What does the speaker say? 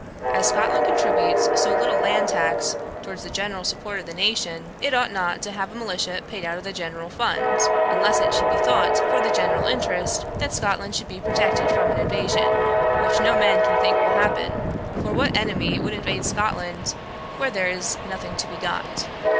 'As Scotland contributes so little land tax towards the general support of the nation, it ought not to have a militia paid out of the general fund, unless it should be thought for the general interest, that Scotland should be protected from an invasion, which no man can think will happen; for what enemy would invade Scotland, where there is nothing to be got?